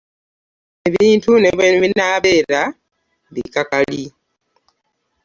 Ebintu ne bwe binaabeera bikakali.